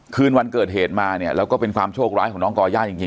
คืนวันเกิดเหตุมาเนี่ยแล้วก็เป็นความโชคร้ายของน้องก่อย่าจริง